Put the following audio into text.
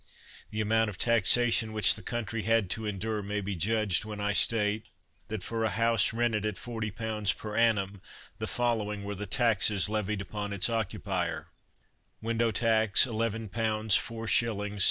The amount of taxation which the country had to endure may be judged when I state that for a house rented at forty pounds per annum the following were the taxes levied upon its occupier: Window tax, 11 pounds 4s.